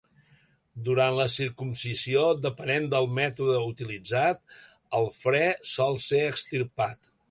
Durant la circumcisió, depenent del mètode utilitzat, el fre sol ser extirpat.